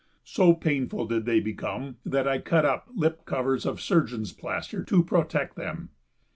So painful did they become that I had to cut lip covers of surgeon's plaster to protect them.